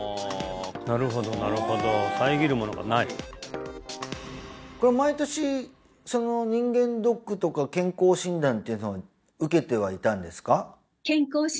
なるほどなるほど毎年人間ドックとか健康診断っていうのは受けてはいたんですか？